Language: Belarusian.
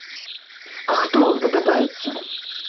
А хто вам падабаецца?